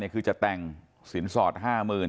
คือจะแต่งสินสอดห้าหมื่น